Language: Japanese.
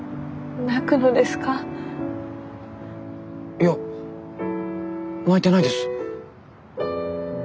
いや泣いてないです。